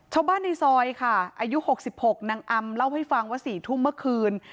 ชาวบ้านในซอยค่ะอายุ๖๖นางอำเล่าให้ฟังว่า๔ทุ่มเมื่อคืน